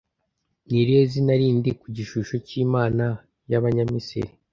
Ni irihe zina rindi ku gishusho cy'imana y'Abanyamisiri